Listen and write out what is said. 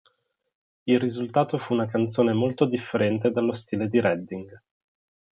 Il risultato fu una canzone molto differente dallo stile di Redding.